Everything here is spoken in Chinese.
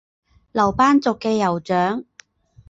楼班族的酋长。